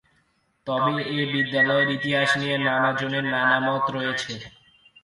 তবে এ বিদ্যালয়ের ইতিহাস নিয়ে নানা জনের নানা মত রয়েছে।